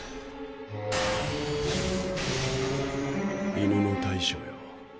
犬の大将よ。